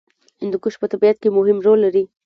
هندوکش په طبیعت کې مهم رول لري.